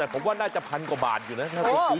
แต่ผมว่าน่าจะพันธุ์กว่าบาทอยู่นะถ้าผมพิธี